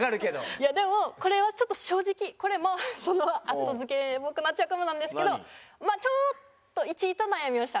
いやでもこれは正直これまあその後付けっぽくなっちゃうかもなんですけどちょっと１位と悩みました。